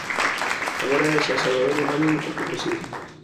Agora é San Salvador de Manín o que o preside.